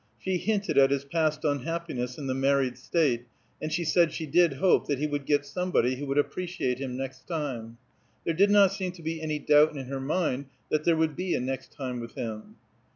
She hinted at his past unhappiness in the married state, and she said she did hope that he would get somebody who would appreciate him, next time. There did not seem to be any doubt in her mind that there would be a next time with him.